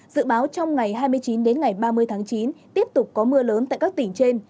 dự báo trong ngày hai mươi chín đến ngày ba mươi tháng chín tiếp tục có mưa lớn tại các tỉnh trên